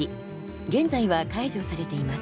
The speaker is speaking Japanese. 現在は解除されています。